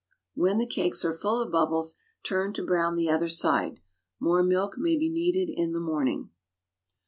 When the cakes are fidl of bubbles, turn to brown the other side. More milk may be neeiled in the morning.